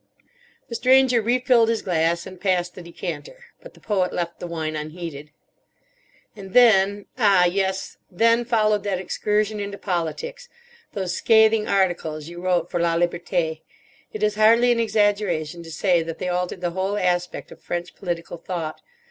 The Stranger refilled his glass, and passed the decanter. But the Poet left the wine unheeded. "And then, ah, yes, then followed that excursion into politics. Those scathing articles you wrote for La Liberté! It is hardly an exaggeration to say that they altered the whole aspect of French political thought.